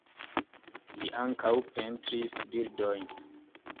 Li ankaŭ pentris bildojn.